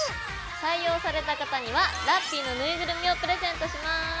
採用された方にはラッピィのぬいぐるみをプレゼントします。